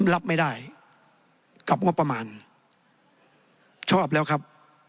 รับไม่ได้กับงบประมาณชอบแล้วครับ